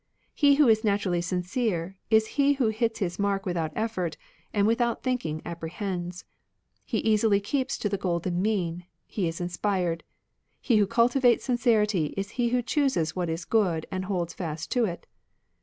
He who is naturally sincere is he who hits his mark without effort, and with out thinking apprehends. He easily keeps to the golden mean ; he is inspired. He who cultivates sincerity is he who chooses what is good and holds fast to it.